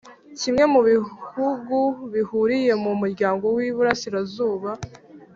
Kimwe mu bihugu bihuriye mu muryango w’Iburasirazuba